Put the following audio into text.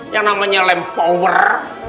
yang namanya lem power